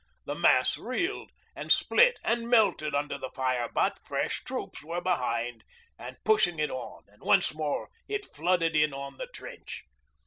The mass reeled and split and melted under the fire, but fresh troops were behind and pushing it on, and once more it flooded in on the trench.